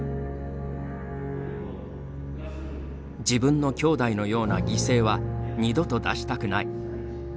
「自分の兄弟のような犠牲は二度と出したくない」